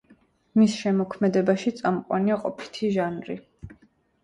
მის შემოქმედებაში წამყვანია ყოფითი ჟანრი.